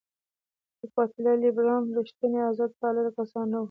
د ګواتیلا لیبرالان رښتیني آزادپاله کسان نه وو.